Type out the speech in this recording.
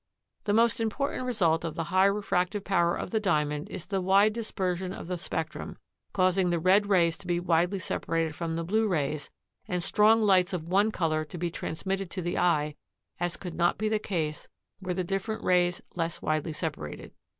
The most important result of the high refractive power of the Diamond is the wide dispersion of the spectrum, causing the red rays to be widely separated from the blue rays and strong lights of one color to be transmitted to the eye as could not be the case were the different rays less widely separated.